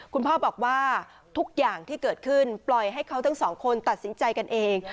คุณพ่อบอกว่าทุกอย่างที่เกิดขึ้นปล่อยให้เขาทั้งสองคนตัดสินใจกันเอง